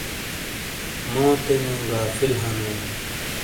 موتے نیو غافل ہنو۔